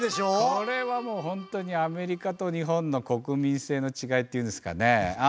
これはもう本当にアメリカと日本の国民性の違いっていうんですかね。